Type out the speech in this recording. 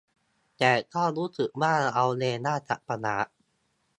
แต่ก็รู้สึกว่าเราเองน่าจะประหลาด